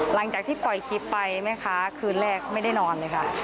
หลังจากที่ปล่อยคลิปไปแม่ค้าคืนแรกไม่ได้นอนเลยค่ะ